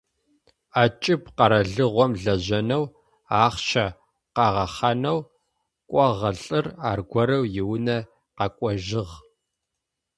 Ӏэкӏыб къэралыгъом лэжьэнэу, ахъщэ къыгъэхъэнэу кӏогъэ лӏыр аргорэу иунэ къэкӏожьыгъ.